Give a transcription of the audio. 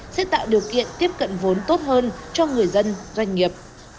sẽ tạo điều kiện tiếp cận vốn tốt hơn cho người dân doanh nghiệp